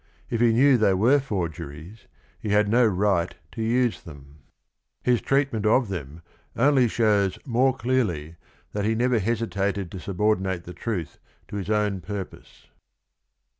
If he knew they were forgeries, he had no right to use them. His treatment of 76 THE RING AND THE BOOK them only shows more clearly that he never hesitated to subordinate the truth to his own purpose.